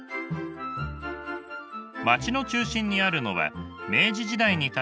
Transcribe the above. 町の中心にあるのは明治時代に建てられた芝居小屋です。